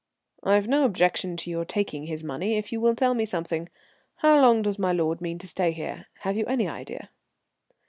"I've no objection to your taking his money if you will tell me something. How long does my lord mean to stay here? Have you any idea?"